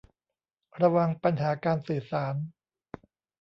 ระวังปัญหาการสื่อสาร